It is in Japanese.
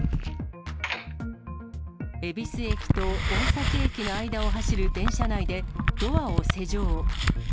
恵比寿駅と大崎駅の間を走る電車内で、ドアを施錠。